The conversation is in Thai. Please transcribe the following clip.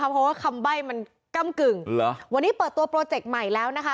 เพราะว่าคำใบ้มันก้ำกึ่งวันนี้เปิดตัวโปรเจกต์ใหม่แล้วนะคะ